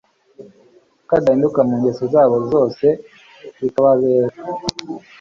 kadahinduka mu ngeso zabo zose bikababera